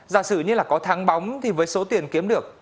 giả sử như là có thắng bóng thì với số tiền kiếm được